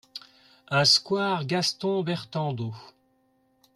un square Gaston Bertandeau